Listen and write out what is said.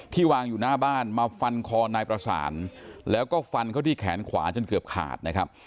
วางอยู่หน้าบ้านมาฟันคอนายประสานแล้วก็ฟันเขาที่แขนขวาจนเกือบขาดนะครับ